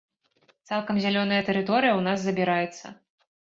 Цалкам зялёная тэрыторыя ў нас забіраецца.